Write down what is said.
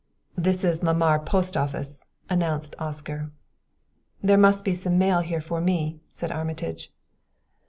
"This is Lamar post office," announced Oscar. "There must be some mail here for me," said Armitage.